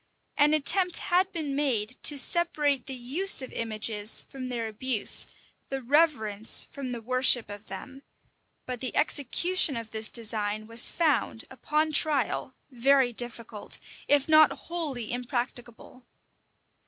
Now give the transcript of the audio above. [] An attempt had been made to separate the use of images from their abuse, the reverence from the worship of them; but the execution of this design was found, upon trial, very difficult, if not wholly impracticable.